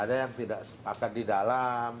ada yang tidak sepakat di dalam